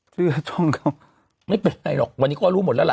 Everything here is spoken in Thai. เชื่อช่องเขาไม่เป็นไรหรอกวันนี้ก็รู้หมดแล้วล่ะ